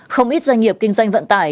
không ít doanh nghiệp kinh doanh vận tải